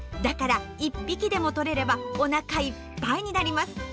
だから１匹でもとれればおなかいっぱいになります。